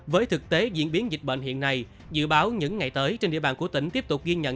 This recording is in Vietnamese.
với thực tế diễn biến dịch bệnh hiện nay dự báo những ngày tới trên địa bàn của tỉnh tiếp tục ghi nhận